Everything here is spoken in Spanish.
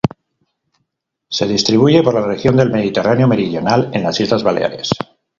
Se distribuye por la región del Mediterráneo meridional, en las Islas Baleares.